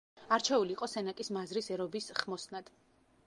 არჩეული იყო სენაკის მაზრის ერობის ხმოსნად.